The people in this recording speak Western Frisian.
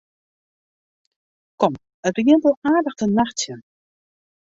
Kom, it begjint al aardich te nachtsjen.